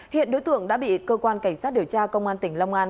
hiện đối tượng đã bị cơ quan cảnh sát điều tra công an tỉnh long an